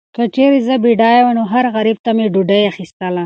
که چیرې زه بډایه وای، نو هر غریب ته به مې ډوډۍ اخیستله.